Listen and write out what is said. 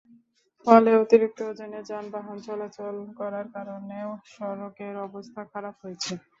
ফলে অতিরিক্ত ওজনের যানবাহন চলাচল করার কারণেও সড়কের অবস্থা খারাপ হয়েছে।